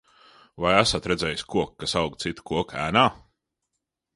Vai esat redzējis koku, kas aug cita koka ēnā?